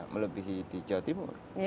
melebihi di jawa timur